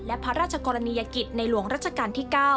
และพระราชกรณียกิจในหลวงรัชกาลที่๙